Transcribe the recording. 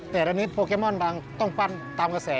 แต่อันนี้โปรแกมอนดังต้องปั้นตามกระแส